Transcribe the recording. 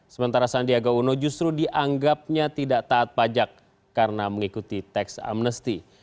sementara sandiaga uno justru dianggapnya tidak taat pajak karena mengikuti teks amnesty